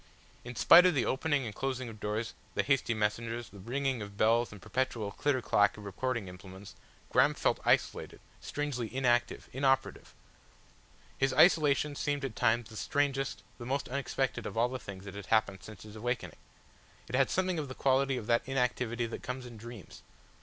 In spite of the opening and closing of doors, the hasty messengers, the ringing of bells and the perpetual clitter clack of recording implements, Graham felt isolated, strangely inactive, inoperative. His isolation seemed at times the strangest, the most unexpected of all the things that had happened since his awakening. It had something of the quality of that inactivity that comes in dreams.